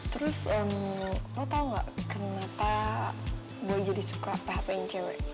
terus lo tau gak kenapa boy jadi suka php in cewek